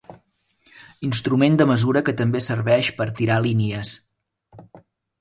Instrument de mesura que també serveix per tirar línies.